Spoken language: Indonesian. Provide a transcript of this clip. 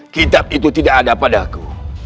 kitab itu tidak ada padaku